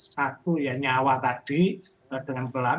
satu ya nyawa tadi dengan pelaku